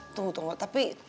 tunggu tunggu tapi